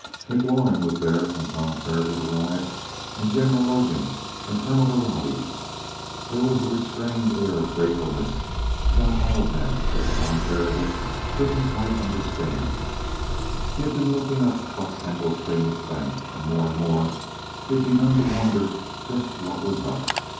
McLaurin was there when Tom Faragaut arrived. And General Logan, and Colonel Gerardhi. There was a restrained air of gratefulness about all of them that Tom Faragaut couldn't quite understand. He had been looking up Buck Kendall's famous bank, and more and more he had begun to wonder just what was up.